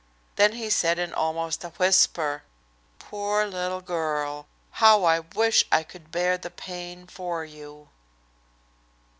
Then he said in almost a whisper: "Poor little girl! How I wish I could bear the pain for you!"